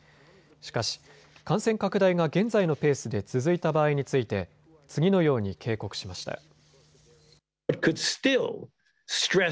しかし感染拡大が現在のペースで続いた場合について次のように警告しました。